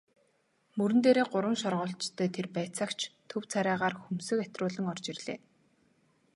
Мөрөн дээрээ гурван шоргоолжтой тэр байцаагч төв царайгаар хөмсөг атируулан орж ирлээ.